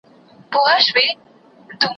زه به د ښوونځی لپاره امادګي نيولی وي،